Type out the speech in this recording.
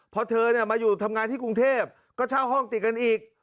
พอเธอมาอยู่ทำงานที่กรุงเทพก็เช่าห้องติดกันอีก